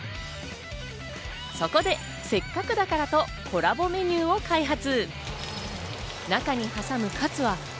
そこで、せっかくだからとコラボメニューを開発。